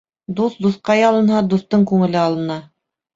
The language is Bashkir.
Дуҫ дуҫҡа ялынһа, дуҫтың күңеле алына.